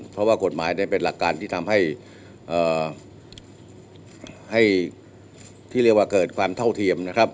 เพราะว่ากฎหมายเป็นหลักการที่ทำให้เกิดความเท่าเทียม